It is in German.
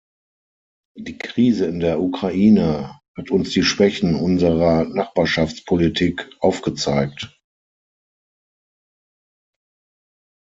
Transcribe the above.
Die Krise in der Ukraine hat uns die Schwächen unserer Nachbarschaftspolitik aufgezeigt.